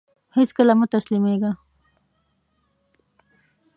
هيڅکله مه تسلميږه !